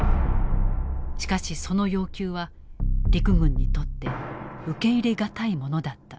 しかしその要求は陸軍にとって受け入れ難いものだった。